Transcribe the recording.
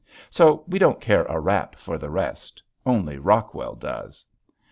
So we don't care a rap for the rest only Rockwell does!